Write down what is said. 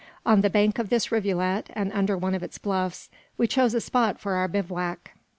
On the bank of this rivulet, and under one of its bluffs, we chose a spot for our bivouac.